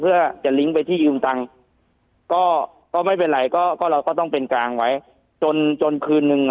ไปที่ยืมตังค์ก็ก็ไม่เป็นไรก็ก็เราก็ต้องเป็นกลางไว้จนจนคืนหนึ่ง